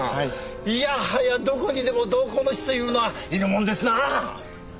いやはやどこにでも同好の士というのはいるもんですなあ！